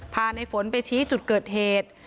ในฝนไปชี้จุดเกิดเหตุ